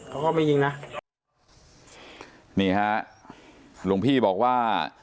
เขาก็ไม่ยิงนะนี่ฮะหลวงพี่บอกว่า